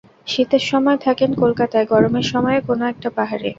শীতের সময় থাকেন কলকাতায়, গরমের সময়ে কোনো-একটা পাহাড়ে।